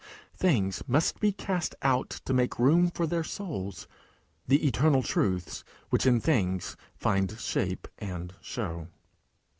Things must be cast out to make room for their souls the eternal truths which in things find shape and show.